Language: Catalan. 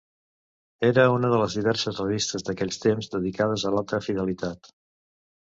Era una de les diverses revistes d'aquells temps dedicades a l'alta fidelitat.